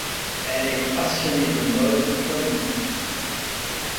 Elle est passionnée de mode comme lui.